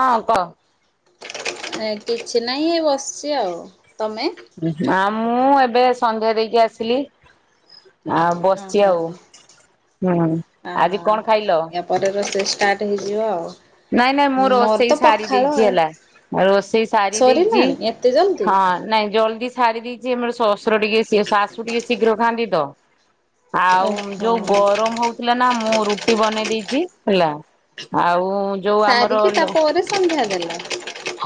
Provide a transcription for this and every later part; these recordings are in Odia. ଆଉ କ ଆ କିଛି ନାହିଁ ଏ ବସିଛି ଆଉ ତମେ? ଆ ମୁଁ ଏବେ ସନ୍ଧ୍ୟା ଦେଇକି ଆସିଲି। ଆଉ ବସିଛି ଓହୋ ଆଉ ହୁଁ ଆ ଆଜି କଣ ଖାଇଲ? ୟା ପରେ ରୋଷେଇ ଷ୍ଟାର୍ଟ ହେଇଯିବ ଆଉ। ନାଇଁ ନାଇଁ ମୁଁ ମୋର ରୋଷେଇ ତ ସାରି ପଖାଳ ଦେଇଛି ଆଉ ହେଲା ରୋଷେଇ ସାରି ଦେଇଛି ସରିଲାଣି ଏତେ ଜଲ୍ଦି? ହଁ ନାଇଁ ଜଲଦି। ଛଡ଼ିଦିଛିେମର ସସ ଟିକେ ସି ଶାଶୁ ଟିକେ ଶୀଘ୍ର ଖାନ୍ତି। ହଁ। ଆଉ ଓହୋ ଯୋଉ ଗରମ ହଉଥିଲା ନା ମୁଁ ରୁଟି ବନେଇ ଦେଇ। ହେଲା ଆଉ। ଯୋଉ ସାରକି ଆମର ତାପରେ ସନ୍ଦ୍ୟା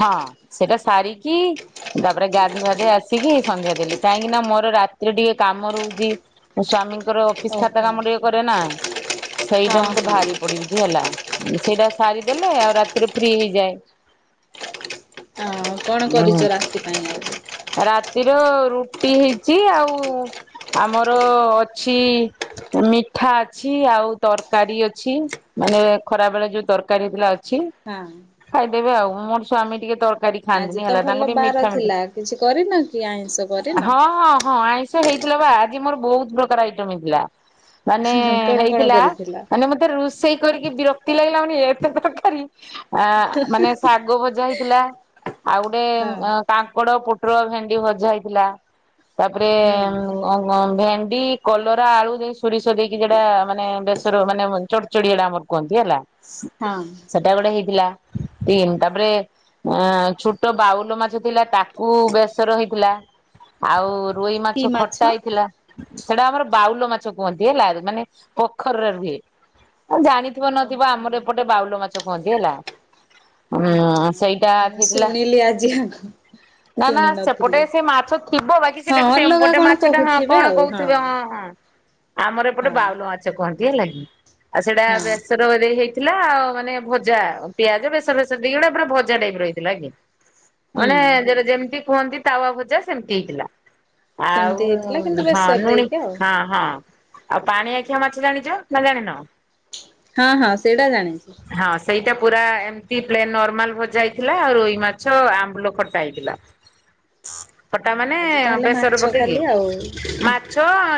ହଁ ସେଇଟା ସାରିକି ତାପରେ ଗାଧୋଇବାାଧୋଇ ଆସିକି ସନ୍ଧ୍ୟା ଦେଲି କାହିଁକି ନା ମୋର ରାତିରେ ଟିକେ କାମ ରହୁଛି ସ୍ଵାମୀ। ର ଅଫିସ୍ ଖାତା ଓହୋ କାମ ଟିକେ କରେ ନା। ସେଇଟା ହଁ ମତେ ହଁ ଭାରି। ପଡିବିଛି ହେଲା ସେଇଟା। ସା ରିଦେଲେ ଆଉ ରାତିରେ ଫ୍ରି ହେଇଯାଏ। ହଉ କଣ ହୁଁ କରିଛ ରାତି ପାଇଁ ଆଉ। ରାତିର ରୁଟି ହେଇଛି ଆଉ ଆମର ଅଛି ମିଠା ଅଛି ଆଉ ତରକାରୀ ଅଛି ମାନେ ଖରା ବେଳେ ଯୋଉ। ତରକାରୀ ଥିଲା ଅଛି ହଁ ଖାଇଦେବି ଆଉ ମୋର ସ୍ୱାମୀ ଟିକେ ତରକାରୀ। ଆଜି ଖାଆନ୍ତିନି ତ ହେଲା ତାଙ୍କୁ ଭଲ ଟିକେ ବାର ମିଠା ମିଠା ଥିଲା କିଛି କରିନ କି ଆଇଁଷ କରିନ? ସେ ହେଇଥିଲା ବା ଆଜି ମୋର ବହୁତ ପ୍ରକାର ଆଇଟମ ହେଇଥିଲା। ମାନେ କଣ କଣ ହେଇଥିଲା କରିଥିଲ? ମାନେ ମତେ ରୋଷେଇ। କରିକି ବିରକ୍ତି ଲାଗିଲାଣି। ଛୋଟ ଖରି। ଆ ମାନେ ଶାଗ ଭଜା ହେଇଥିଲା ଆଉ ଗୋଟେ ହଁ କାଙ୍କଡ ପୋ ପୁଟଲ ଭେଣ୍ଡି ଭଜା ହେଇଥିଲା। ତାପରେ ହୁଁ ଅମ୍ ଭେ କଲରା ଆଳୁ। ସୁରିଷ ଦେଇକି ଯଟା ମାନେ ବେଶର ମାନେ ଚ ଚଡିଆ ଟା ଆମର କୁହନ୍ତି ହେଲା। ହଁ ସେଟା ଗୋଟେ ହେଇଥିଲା। ତିନି ତାପରେ ଅ ଛୋଟ ବାଉଲ ମାଛ ଥିଲା ତାକୁ ବେଶର ହେଇଥିଲା ଆଉ। ରୋଇ ମାଛ ଖଟା ହେଇଥିଲା। ସେଟା ଆମର ବାଉଲ ମାଛ କୁହନ୍ତି ହେଲା ମାନେ ପୋଖରୀରେ ରୁହେ। ଜାଣିଥିବ ନଥିବ ଆମର ଓହୋ ଏ ସେପଟେ ବାଉଲ ମାଛ କୁହନ୍ତି ହେଲା ଓହୋ ସେଇଟା ମୁଁ ଥିଲା ଶୁଣିଲି ଆଜି ଆଗ ନା ନା ଶୁଣି ସେପଟେ ନଥିଲି। ସେ ମାଛ ଥିବ ବାକି ହଁ ସେଟାକୁ ଅଲଗା ସେପଟେ କଣ ମାଛଟା ହଁ କହୁଥିବେ କଣ ଆଉ କହୁଥିବେ ହଁ ହଁ। ଆମର ଏପଟେ ହଁ ବାଉଲ ମାଛ କୁହନ୍ତି। ଦିଅ ଲାଇି। ଆଉ ସେଇଟା ହଁ। ବେସର ବୋଧେ ହୋଇ ଥିଲା ଆଉ ମାନେ ଭଜା ପିଆଜ ବେସର ଭେସ ଦେଇ ଗୋଟ ପୁରା ଭଜା ଟାଇପ ରହିଥିଲା କି? ମାନେ ହୁଁ ଯେଟ ଯେମିତି କୁହନ୍ତି ତାୱା ଭଜା ସେମିତି ହେଇଥିଲା। ଆଉ ସେମିତି ହେଇଥିଲା କିନ୍ତୁ ହଁ ବେସର ଲୁଣି ଦେଇକି ଆଉ ହଁ ହଁ। ଆଉ ପାଣି ଆଖିଆ ମାଛ ଜାଣିଛ ନା ଜାଣିନ ହଁ ହଁ। ସେଇଟା ଜାଣିଛ। ହଁ ସେଇଟା ପୁରା ଏମିତି ପ୍ଲେନ ନର୍ମାଲ ଭଜା ହେଇଥିଲା ଆଉ ଏଇ ମାଛ ଆମ୍ବୁଲ ଖର୍ଟା ହେଇଥିଲା। ଫଟା ଓହୋ ମାନେ ଆଜି ତାହେଲେ ବେସରେ ମାଛ ପକେଇକି ଖାଲି ଆଉ ମାଛ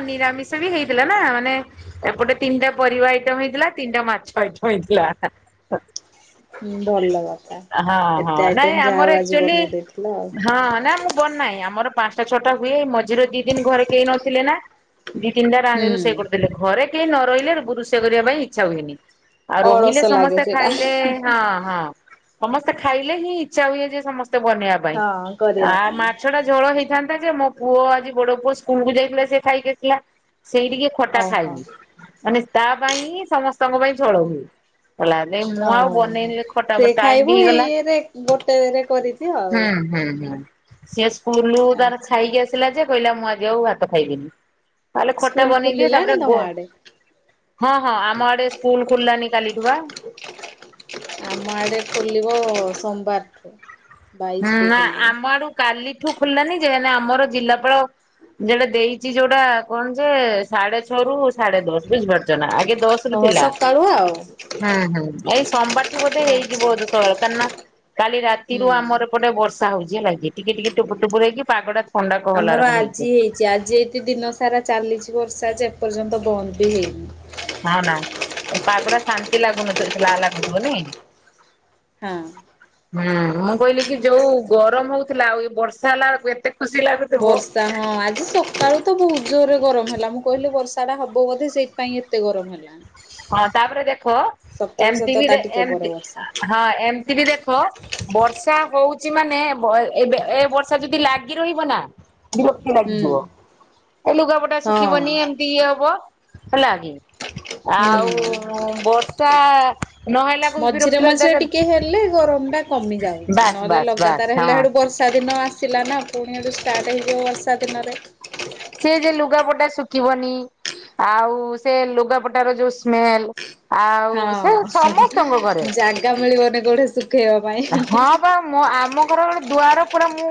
ନିରାମିଷ ବି ହେଇଥିଲା ନା ମାନେ ଏପଟେ ତିନିଟା ପରିବା ଆଇଟମ୍ ହେଇଥିଲା ତିନିଟା ମାଛ ଆଇ ବଇଥିଲା। ଭଲ କଥା। ହଁ ହଁ ଏତେ ଆଇଟମ ନାଇଁ ଯାହା ହଉ ଆଜି ଆମରଚୁଲି ବନେଇ ଦେଇଥିଲ ଆଉ ହଁ ନା ମୁଁ ବନ ନାହିଁ ଆମର ପାଞ୍ଚଟା ଛଅଟା ହୁଏ ମଝିରେ ଦି ଦିନ ଘରେ କେହି ନଥିଲେ ନା। ଦି ତିନିଟା ରାଣ ହୁଁ। ରରୁ ସେ କରିଦଥିଲେଲେରେ କେହି। ରହିଲେ ଗୁରୁ ସେ କରିବା ପାଇଁ ଇଚ୍ଛା ହୁଏନି। ଆଉ ଅଳସ ରହିଲେ ଲାଗେ ସମସ୍ତେ ସେଇଟା ଖାଇଲେ ହଁ ହଁ ସମସ୍ତେ ଖାଇଲେ ହିଁ ଇଚଛ ହୁଏ ଯେ ସମସ୍ତେ ବନେଇବା ପାଇଁ ହଁ ଆ କରିବା ପାଇଁ ମାଛ ଟା ଝୋଳ ହେଇ ଥାନ୍ତା ଯେ ମୋ ପୁଅ ଆଜି ବଡ ପୁଅ ସ୍କୁଲକୁୁ ଯାଇଥିଲେ ସେ ଖାଇକି ଆସଥିଲା। ସେଇ ଟିକେ ଖଟା ଓହୋ ଖାଇବି ମାନେ ତା ପାଇଁ ସମସ୍ତଙ୍କ ପାଇଁ ଝଳ ହୁଏ। ହଁ। ହ ସେ ଟାଇମ ବି ଖାଇବୁ ହେଇଗଲା। ଏଇଇରେ ଗୋଟେରେ କରିଛି ଆଉ। ସେଷ ସ୍ୁଲ ତାର ଆଚ୍ଛା। ଖାଇକି ଆସିଲା ଯେ କହିଲା ମୁଁ ଆଜି ଆଉ ହାତ ଖାଇବିନି ତାହେଲେ ଖଟା ସ୍କୁଲ ବନେଇକି ଖୋଲିଲାଣି ତାପରେ ତମ ଆଡେ? ହଁ ହଁ ଆମ ଆଡେ ସ୍କୁଲ ଖୋଲିଲାନି। କାଲିଠୁ ବା। ଆମର ସୋମବାରୁ ହୁଁ ନା ଆମରୁ କାଲି ଏଠୁ ଖୋଲିଲାନି ଯେ ଆମର ଜିଲ୍ଲାପାଳ ଯେଟା ଦେଇଛି ଯୋଉଟା କଣ ଯେ ସାଢେ ଛଅ ରୁ ସାଢେ ଦଶ ବୁଝିପାରୁଛ ନା ଆଗ ହଁ ସକାଳୁ ଆଉ। ହୁଁ ଏଇ ସୋମବାରଠୁ ବୋଧେ ହେଇଯିବ ବୋଧେ ସକାଳ କା ନା। କାଲି ରାତିରୁ ହୁଁ। ଆମର ବର୍ଷା ହଉଛି ହେ ନାଗ କି ଟିକେ ଟିକେ ଟୁପୁ ଟୁପୁର ହେଇକି ପାଗଡା ଆମର ଆଜି ହେଇଛି ଆଜି ଏତ ଦିନ ସାରା ଚାଲିଛି ବର୍ଷା ଯେ ଉପର୍ଯ୍ୟନ୍ତ ବନ୍ଦ ବି ହେଇନି। ହଁ ନା ପାଗଡା ଶାନ୍ତି ଲାଗୁନଥିବ ଲା ଲାଗୁଥିବନି ହଁ। ହୁଁ ମୁଁ କହିଲି କି ଯୋଉ ଗରମ ହଉଥିଲା ଆଉ ଏ ବର୍ଷା ହେଲାକୁ ଏତେ ଖୁସି ଲାଗୁଥିବ। ବର୍ଷା ହଁ ଆଜି ସକାଳୁ ତ ବହୁତ ଜୋରରେ ଗରମ ହେଲା। ହେଲା ମୁଁ କହିଲେ ବର୍ଷା ଟା ହବ ବୋଧେ ସେଇଥିାଇଁ ଏତେ ଗରମ ହେଲା। ହଁ ତାପରେ ଦେଖ ଏମତି ସତ ବି ତା ଟିକେ ପରେ ଏମତି ବର୍ଷା ହଁ ଏମିତି ବି ଦେଖ ବର୍ଷ ବର୍ଷା ହଉଛି ମାନେ ଏବେ ଏ ବର୍ଷା ଯଦି ଲାଗି ରହିବ ନା। ବିରକ୍ତି ହୁଁ ଲାଗିଯିବ ଆଉ ଲୁଗାପଟା ହଁ ଶୁଖିବନି ଏମିତି ଇଏ ହବ। ହେଲାକି? ହୁଁ ନହେଲାକୁ ବି ବିରକ୍ତି ମଝିରେ ମଝିରେ ଲାଗି ଟିକେ ହେଲେ ଗରମ ଟା କମି ଯାଉଛି ବାସ୍ ନହେଲେ ବାସ୍ ବାସ୍ ଲଗାତାର ହଁ ହେଲେ ସେଇଟୁ ବର୍ଷା ଦିନ ଆସି ଥିଲା ନା ପୁଣି ସେଇଠୁ ଷ୍ଟାର୍ଟ ହେଇଯିବ ବର୍ଷା ଦିନରେ ସେ ଯେ ଲୁଗାପଟା ଶୁଖିବନି ଆଉ ସେ ଲୁଗାପଟାର ଯେଉଁ ସ୍ମେଲ ଆଉ ହଁ ସେ ସମସ୍ତଙ୍କ ଘରେ ଜାଗା ମିଳିବନି କଉଠି ସୁ ହଁ ବାଁ ଆମ ଘର ଗୋଟେ ଦୁଆର ଦୁଆରେ ଵା ମୁଁ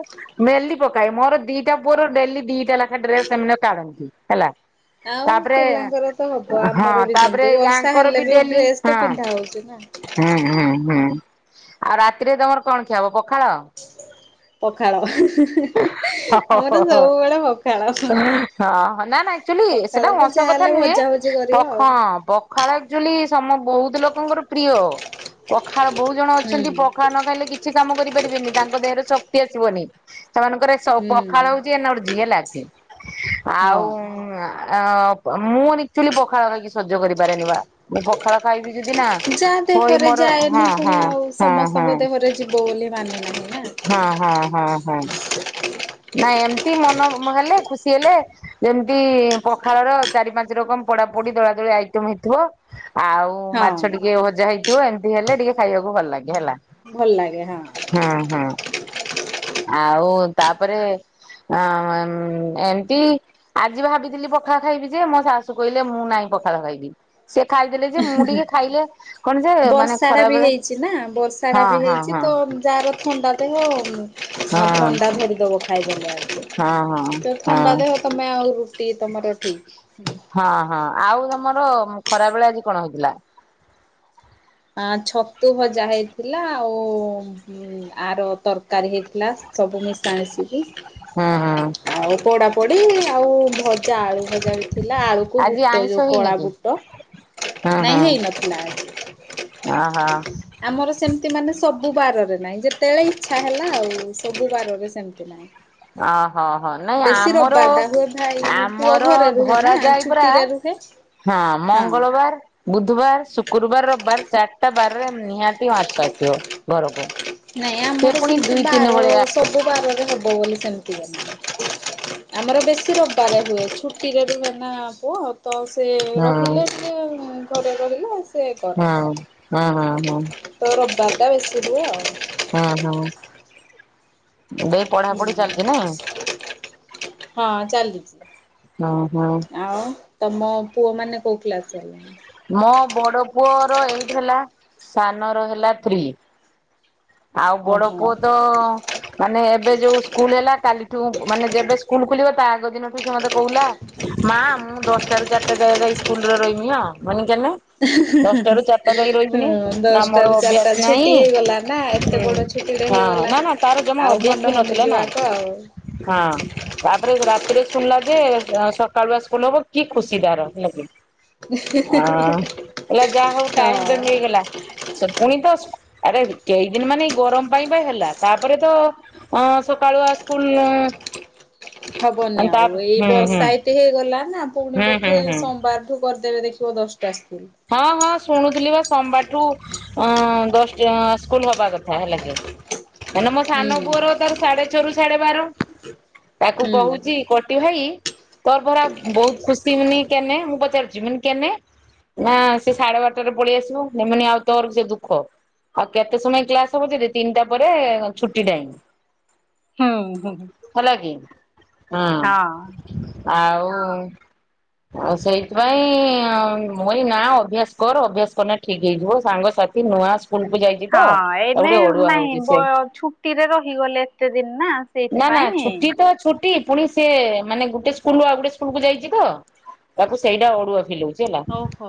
ମେଲି ପକାଏ ମୋର ଦିଟା ପୁଅର ଡେଲି ଦିଟା ଲେଖା ଡ୍ରେସ ସେମାନେ କାଢନ୍ତି ହେଲା। ଆଉ ତାପରେ ପିଲାଙ୍କର ତ ହବ ହଁ ଆମର ବି ସେମିତି ତାପରେ ବର୍ଷା ୟାଙ୍କର ହେଲେ ବି ଡେଲି ଡ୍ରେସ ହ ତ ପିନ୍ଧା ହଉଛି ନା। ହୁଁ ହୁଁ ଆଉ ରାତିରେ ତମର କଣ ଖିଆ ହେବ ପଖାଳ ପଖାଳ ହ ଆମର ହ ସବୁବେଳେ ପଖାଳ। ନା ନା ଆକଚୁଆଲି ସେଟା ପଖାଳକୁ ହସ କଥା ଯାହାହେଲେ ନୁହେଁ ଭଜା ଭଜି କରିବ ପଖ ଆଉ ହଁ ପଖାଳ ଆକଚୁଆଲି ସମ ବହୁତ ଲୋକଙ୍କର ପ୍ରିୟ ପଖା ପଖାଳ ବହୁ ଜଣ ହୁଁ ଅଛନ୍ତି ପଖାଳ ନ ଖାଇଲେ କିଛି କାମ କରି କରିପାରିବେନି ତାଙ୍କ ଦେହରେ ଶକ୍ତି ଆସିବନି ସେମାନଙ୍କର ସ ହୁଁ ପଖଳ ହେଉଛି ଏନର୍ଜି ହେଲା। [inaudible] ଆଉ ହଁ। ଅଁ ମୁଁ ଆକଚୁଆଲି ପଖାଳ ଖାଇକି ସଜ୍ୟ କରିପାରେନି ବା ମୁଁ ପଖାଳ ଖାଇବି ଯଦି ନା ଯାହା ହୋଇ ଦେହରେ ମୋର ଯାଏନି ହଁ ହଁ ପୁଣି ଆଉ ହଁ ହଁ ସମସ୍ତଙ୍କ ଦେହରେ ଯିବ ବୋଲି ମାନେ ନାହିଁ। ନା। ହଁ ହଁ ହଁ ହଁ। ନାଇଁ ଏମତି ମନ ହେଲେ ଖୁସି ହେଲେ ଯେମିତି ପଖାଳର ଚାରି ପାଞ୍ଚ ରକମ ପୋଡା ପୋଡି ଦଳା ଦଳି ଆଇଟମ ହେଇଥିବ। ଆଉ ମାଛ ହଁ ଟିକେ ଭଜା ହେଇଥିବ। ହେଇଥିବ ଏମତି ହେଲେ ଟିକେ ଖାଇବାକୁ ଭଲ ଲାଗେ। ହେଲା ଭଲ ଲାଗେ ହଁ। ହୁଁ ହୁଁ। ଆଉ ତାପରେ ଏ ଏମିତି ଆଜି ଭାବିଥିଲି ପଖାଳ ଖାଇବି ଯେ ମୋ ଶାଶୁ କହିଲେ ମୁଁ ନାଇଁ ପଖାଳ ଖାଇବି ସେ ଖାଇଦେଲେ ଯେ ମୁଁ ହେଁ ହେଁ ଟିକେ ଖାଇଲେ କଣ ଯେ ମାନେ ବର୍ଷା ଟା ଖରା ବି ବେଳେ ହେଇଛି ନା ବର୍ଷା ଟା ହଁ ବି ହଁ ହେଇଛି ହଁ ତ ଯାହାର ଥଣ୍ଡା ଦେହ। ହଁ ଆଉ ଥଣ୍ଡା ଧରିଦବ। ହଁ ହଁ [unintelligible] ତ ହଁ ଥଣ୍ଡା ଦେହ ତମେ ଆଉ ରୁଟି ତମର ଠିକ। ହଁ ହଁ ଆଉ ତମର ଖରା ବେଳେ ଆଜି କଣ ହେଇଥିଲା? ଆ ଛତୁ ଭଜା ହେଇଥିଲା ଆଉ ଆର ତରକାରୀ ହେଇଥିଲା ସବୁ ମିଶା ମିଶି ହୁଁ ହୁଁ ଆଉ ପୋଡା ପୋଡି। ଆଉ ଭ ଜା ଆଳୁ ଭଜା ବି ଥିଲା ଆଳୁକୁ ଆଜି ବୁଟ ଆଇଁଷ ଯୋଉ ହେଇନି କଳା କି? ବୁଟ ହଁ ନାଇଁ ହଁ ହେଇନଥିଲା ଆଜି ଅହ ଆମର ସେମିତି ମାନେ ସବୁ ବାରରେ ନାଇଁ ଯେତେବେଳେ ଇଚ୍ଛା ହେଲା ଆଉ ସବୁ ବାରରେ ସେମତି ନାହିଁ। ଅ ହଁ ହଁ ନାଇଁ ବେଶୀ ଆମର ରବିବାର ଟା ହୁଏ ଭାଇ ପୁଅ ଆମର ଘରେ ରୁହେ ନା ଧରା ଯାଏ ପରା ଛୁଟିରେ ରୁହେ। ହଁ ମଙ୍ଗଳବାର ବୁଧବାର ଶୁକ୍ରବାର ରବିବାର ଚାରିଟା ବାର ନିହାତି ମାଛ ଆସିବ ଘରକୁ। ନାଇଁ ସେ ଆମର ପୁଣି ସେମିତି ଦୁଇ ତିନି ବାର ଭଳିଆ ସବୁ ବାରରେ ହବ୍ ହବ ବୋଲି ସେମିତି ମାନେ ନାଇ ଆମର ବେଶି ରବିବାରେ ହୁଏ ଛୁଟିରେ ବି ବନା ହବ। ତ ସେ ହଁ ରହିଲେ ସେ ଘରେ ରହିଲେ ସେ କରେ ହଁ ହଁ ହଁ ହଁ। ବାର୍ ଟା ବେଶି ହୁଏ ଆଉ ହଁ ହଁ। ଦେଇ ହୁଁ ପଢାପଢି ଚାଲିଛି ନାଇଁ ହଁ। ଚାଲିଛି ହଁ ହଁ। ଆଉ ତମ ପୁଅ ମାନେ କୋଉ କ୍ଲାସ ହେଲାଣି? ମୋ ବଡ ପୁଅର ଏଇଟ୍ ହେଲା ସାନର ହେଲା ଥ୍ରୀ। ଆଉ ବଡ ଓହୋ। ପୁଅ ତ ମାନେ ଏବେ ଯୋଉ ସ୍କୁଲ ହେଲା କାଲିଠୁ ମାନେ ଯେବେ ସ୍କୁଲ ଖୋଲିବ ତା ଯୋଉ ଦିନଠୁ ସେ ମତେ କହୁଲା ମା ମୁଁ ଦଶଟାରୁ ଚାରିଟା ଯାଏ ଯାଇ ସ୍କୁଲରେ ରହିମି ହଁ ମାନି ହିଁ ହିଁ ରହିବୁନି ହଁ ନା ମୋର ଦଶଟାରୁ ଅଭ୍ୟାସ ଚାରିଟା ନାହିଁ ଛୁଟି ହେଇଗଲା ନା। ଏତେ ହୁଁ ବଡ ଛୁଟିଟେ ହଁ ହେଇଗଲା। ନା ନା ତାର ଜମା ଆଉ ମନ ଅଭ୍ୟାସ ବି ହଉନି ନଥିଲା ନା ଯିବାକୁ ଆଉ ହଁ। ହଁ ତାପରେ ରାତିରେ ଶୁଣିଲା ଯେ ସକାଳୁଆ ସ୍କୁଲ ହବ କି ଖୁସି ତାର ହେଲା କି ଆଁ କହିଲା ଯାହା ହଉ ଟାଇମ ମିଳିଗଲା ସେ ପୁଣି ତ ସ୍କୁ ଆରେ କେଇଦିନ ମାନେ ଏଇ ଗରମ ପାଇଁ ବା ହେଲା ତାପରେ ତ ଅ ସକାଳୁଆ ସ୍କୁଲ ହବନି ତା ଆଉ ହୁଁ ଏଇ ହୁଁ ହୁଁ ବର୍ଷା ଏଇତି ହେଇଗଲା ନା ପୁଣି ହୁଁ ବୋଧେ ହୁଁ ସୋମବାରଠୁ ଦେବେ ଦେଖିବ ଦଶଟା ସ୍କୁଲ। ହଁ ହଁ ଶୁଣୁଥିଲି ବା ସୋମବାରଠୁ ଅ ଦଶଟ ସ୍କୁଲ ହବା କଥା ହେଲା କି? ମାନେ ମୋ ହୁଁ ସାନ ପୁଅର ତାର ସାଢେ ଛଅରୁ ଛଢ଼େ ବାର ତାକୁ ହୁଁ। କହୁଛି କଟି ଭାଇ ତୋର ପରା ବହୁତ ଖୁସି ମନି କେନେ ମୁଁ ପଚାରୁଚି କେନେ ନା ସେ ସାଢେ ବାରଟାରେ ପଳେଇ ଆସିବ ନେମ ଆଉ ତମର ସେ ଦୁଃଖ ଆଉ କେତେ ସମୟ କ୍ଲାସ ହବ ଯେଠ ତିନିଟା ପରେ ଛୁଟି ଟାଇମ୍। ହଁ ହଁ। ହେଲା କି? ହଁ ଆଉ ହଁ ସେଇଥିପାଇଁ ମୁଇ ନା ଅଭ୍ୟାସ କର ଅଭ୍ୟାସ କରଲେ ଠିକ୍ ହେଇଯିବ ସାଙ୍ଗସାଥି ନୂଆସ ହଁ ଏନେ ନାହିଁ ସେ ଛୁଟିରେ ରହିଗଲେ ଏତେ ଦିନ ନା ନା ନା ସେଇଥିପାଇଁ ଛୁଟି ତ ଛୁଟି ପୁଣି ସେ ମାନେ ଗୋଟେ ସ୍କୁଲରୁୁ ଆଉ ଗୋଟେ ସ୍କୁଲ କୁ ଯାଇଛି ତ ତାକୁ ସେଇଟା ଅଡୁଆ ଫିଲ ହଉଛି ହେଲା। ଓହୋ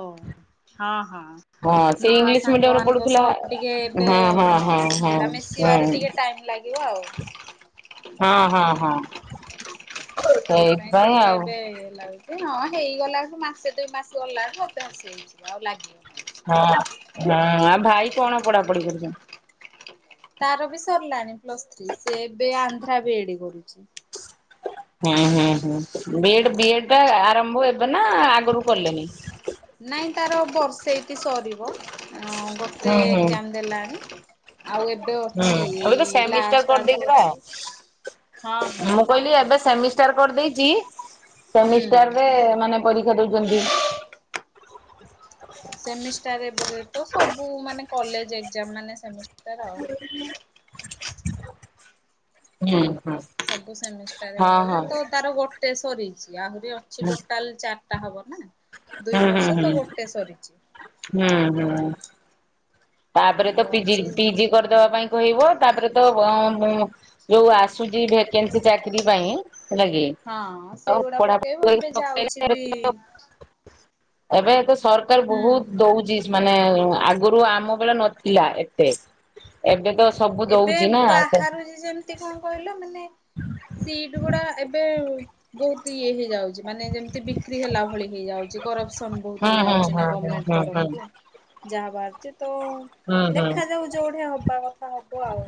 ହଁ ହଁ ହଁ ସେ ନୂଆ ଇଂଲିଶ ସାଙ୍ଗ ମିଡିୟମରେ ମାନଙ୍କ ପଢୁଥିଲା ସହ ଟିକେ ଏବେ ହଁ ସେଟା ମିଶିବାରେ ଟିକେ ହଁ ଟାଇମ ଲାଗ କ ଆଉ ହଁ ହଁ ହଁ। ସେପାଇଁ ସେଇଥିପାଇଁ ଟିକେ ଆଉ ଏବେ ଲାଗୁଛି। ହଁ ହେଇଗଲା ମାସେ ଦୁଇ ମାସେ ଗଲା ବେଳକୁ ଅଭ୍ୟାସ ହେଇଯିବ ଆଉ ଲାଗି ହଁ ଆ ଭାଇ କଣ ପଢାପଢି କରୁଛନ୍ତି? ତାର ବି ସରିଲାଣି ପ୍ଲସ୍ ଥ୍ରୀ ସେ ଏବେ ଆନ୍ଧ୍ରା ବି ଏଡି କରୁଛି। ହ ହ ବିଡ଼ ବିଡ଼ ଟା ଆରମ୍ଭ ଏବେ ନା ଆଗରୁ କଲେନି? ନାଇଁ ତାର ବର୍ଷେ ଏଇଠି ସରିବ। ଗୋଟେ ହୁଁ ହୁଁ ଏଗଜାମ ଦେଲାଣି। ଆଉ ଏବେ ଅଛି ଏବେ ତ ଏଇ ସେମିଷ୍ଟାର ଲାଷ୍ଟ ଆଡକୁ ଅଛି ହଁ କରିଦେଇଥିଲା ହଁ। ମୁଁ କହିଲି ଏବେ ସେମି ଷ୍ଟାର କରିଦେଇଛି ହୁଁ ସେମିଷ୍ଟାରରେ ମାନେ ପରୀକ୍ଷା ଦଉଛନ୍ତି। ସେମିଷ୍ଟାରବେ ତ ସବୁ ମାନେ କଲେଜ ଏକ୍ଜାମ ମାନେ ସେମି ତରଉ ହୁଁ। ସବୁ ସେମିଷ୍ଟାର ହଁ ହେଇଗଲା ହଁ ତ ତାର ଗୋଟେ ସରିଛି। ଆହୁରି ଅଛି ହୁଁ ଟୋଟାଲ ଚାର ହବ ନା। ଦୁଇ ହୁଁ ହୁଁ ହୁଁ ବର୍ଷ ତ ଗୋଟେ ସରିଛି ହୁଁ ହୁଁ। ତାପରେ ତ ଆଉ ପିଜି ଅଛି ପିଜି କରିଦବା ପାଇଁ ହବ ତାପରେ ତ ମୁ ଯୋଉ ଆସୁଛି ଭେକେନ୍ସି ଚାକିର ପାଇଁ। ହେଲା କି ହଁ ଆଉ ସେଗୁଡା ପଢାପଢି ପକେଇବୁ କରିକି ଏବେ ଯାଉଛି ପକେଇଲେ ବି ଏବେ ତ ସରକାର ହୁଁ ବହୁତ ଦଉଛି। ମାନେ ଆଗରୁ ଆମ ନଥିଲା ଏତେ ଏବେ ତ ସବୁ ଏବେ ଦଉଛି ନା ବାହାରୁଛି ଯେମିତି କଣ କହିଲ ମାନେ ସିଟ ଗୁଡା ଏବେ ବହୁତ ଇଏ ହେଇଯାଉଛି। ମାନେ ଯେମତି ବିକ୍ରି ହେଲା ଭଳି ହେଇଯାଉଛି କରପସନ ହୁଁ ବହୁତ ହୁଁ ହେଇଯାଉଛି ନା ହୁଁ ହୁଁ ଗଣମେଣ୍ଟ ହୁଁ ହୁଁ। ତରଫ ଯାହା ଭାରଛି। ତ ହୁଁ ହୁଁ ଦେଖାାଯାଉ ଯୋଉଠଆ ହବା କଥା। ହବ ଆଉ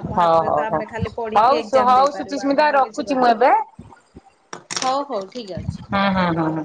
ଆମ ହଉ ହାତରେ ହଉ ତ ଆମେ ହଉ ଖା ପଢିକି ହଉ ଏକ୍ସାମ ହଉ ଦେଇପାରୁ ସୁଚିସ୍ମିତା ଆମେ ଆଉ କିଛି ରଖୁଛି ମୁଁ ଏବେ କରିପାରନୁ ହଉ ହଉ ଠିକ ଅଛି। ହୁଁ ହୁଁ ହୁଁ ହୁଁ।